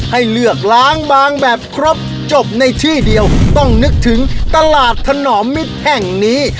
ให้เลือกล้างบางแบบครบจบในที่เดียวต้องนึกถึงตลาดถนอมมิตรแห่งนี้